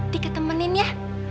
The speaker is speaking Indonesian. tika temenin ya